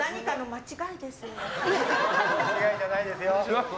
間違いじゃないですよ。